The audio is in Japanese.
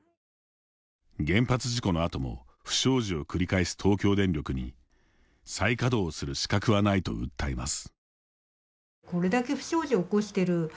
原発事故のあとも不祥事を繰り返す東京電力に再稼働をする資格はないと訴えます。